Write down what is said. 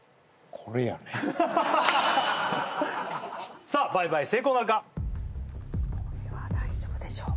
これは大丈夫でしょう